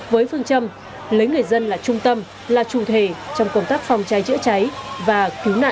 với phương châm lấy người dân là trung tâm là trù thể trong công tác phòng cháy chữa trái và cứu nạn cứu hộ